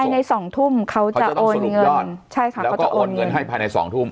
ในสองทุ่มเขาจะโอนเงินใช่ค่ะแล้วเขาจะโอนเงินให้ภายใน๒ทุ่ม